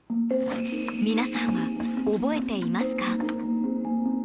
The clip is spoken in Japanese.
皆さんは覚えていますか？